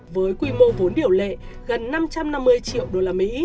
với quy mô vốn điều lệ gần năm trăm năm mươi triệu usd